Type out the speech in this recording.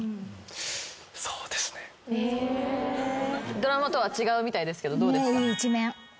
ドラマとは違うみたいですけどどうですか？